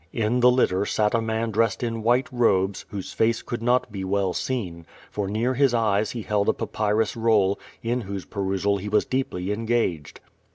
In the litter sat a man dressed in white robes, whose face could not be well seen, for near his eyes he held a papyrus roll, in whose perusal he was deeply engaged.